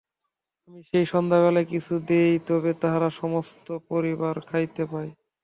আমি সেই সন্ধ্যাবেলায় কিছু দিই, তবে তাহারা সমস্ত পরিবার খাইতে পায়।